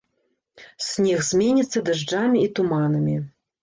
Снег зменіцца дажджамі і туманамі.